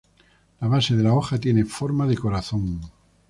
La base de la hoja tiene forma de corazón.